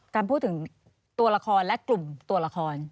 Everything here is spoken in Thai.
การพูดถึงตัวละครและกลุ่มตัวละคร